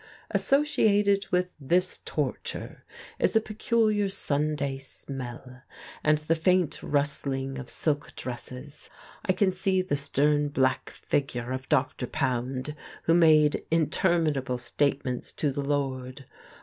Associated with this torture is a peculiar Sunday smell and the faint rustling of silk dresses. I can see the stern black figure of Dr. Pound, who made interminable statements to the Lord.